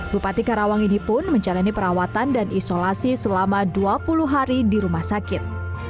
bupati karawang ini pun menjalani perawatan dan isolasi selama dua puluh hari di rumah sakit